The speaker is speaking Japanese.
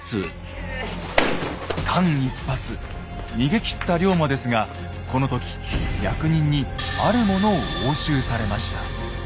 間一髪逃げ切った龍馬ですがこの時役人にあるものを押収されました。